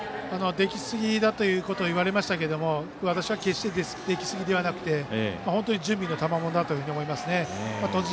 できすぎだといわれましたけど私は決してできすぎではなくて本当に準備のたまものだと思います。